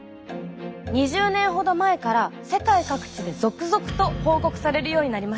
２０年ほど前から世界各地で続々と報告されるようになりました。